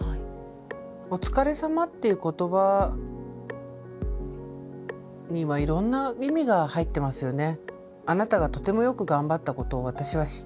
「おつかれさま」っていう言葉にはいろんな意味が入ってますよね。